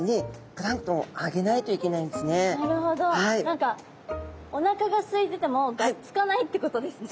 何かおなかがすいててもがっつかないってことですね。